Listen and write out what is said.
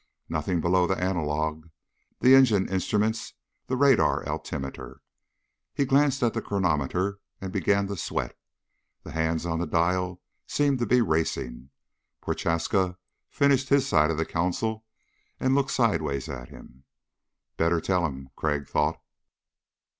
Nothing below the analog, the engine instruments, the radar altimeter. He glanced at the chronometer and began to sweat. The hands on the dial seemed to be racing. Prochaska finished his side of the console and looked sideways at him. Better tell him, Crag thought.